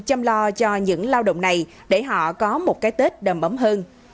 chăm lo cho những lao động này để họ có một cái tết đầm ấm hơn